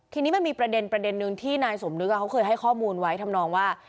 ทีนี้มันมีประเด็นนึงที่นายสมนึกเขาเคยให้ข้อมูลไว้ทำนองว่า